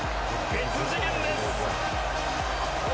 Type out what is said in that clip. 別次元です！